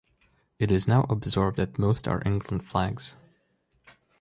It is now observed that most are England flags.